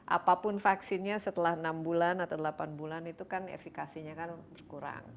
apapun vaksinnya setelah enam bulan atau delapan bulan itu kan efekasinya kan berkurang